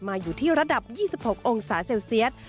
อยู่ที่ระดับ๒๖องศาเซลเซียส